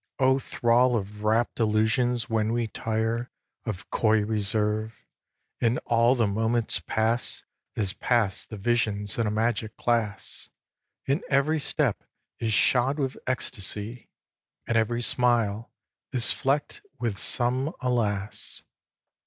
O thrall of rapt illusions when we tire Of coy reserve, and all the moments pass As pass the visions in a magic glass, And every step is shod with ecstacy, And every smile is fleck'd with some Alas!